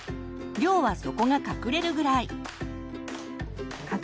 量は底が隠れるぐらい。